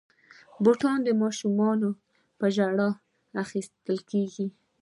بوټونه د ماشومانو په ژړا اخیستل کېږي.